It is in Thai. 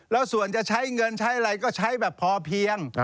แล้วส่วนจะใช้เงินใช้อะไรก็ใช้แบบพอเพียง